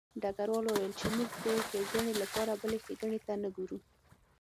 ډګروال وویل چې موږ د ښېګڼې لپاره بلې ښېګڼې ته نه ګورو